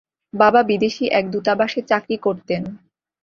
বাবা বিদেশি এক দূতাবাসে চাকরি করতেন।